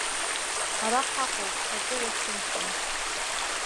Ара ҳаҟоуп, акы уацәымшәан.